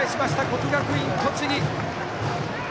国学院栃木！